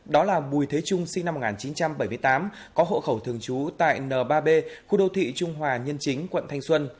đó là bùi thế trung sinh năm một nghìn chín trăm bảy mươi tám có hộ khẩu thường trú tại n ba b khu đô thị trung hòa nhân chính quận thanh xuân